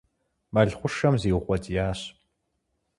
Мэл хъушэм зиукъуэдиящ.